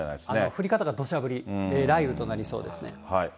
降り方がどしゃ降り、雷雨となりそうですね。